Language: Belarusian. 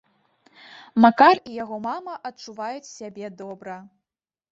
Макар і яго мама адчуваюць сябе добра.